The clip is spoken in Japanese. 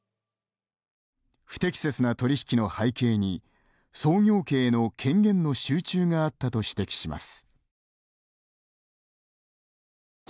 不適切な取り引きの背景に創業家への権限の集中があったと指摘します。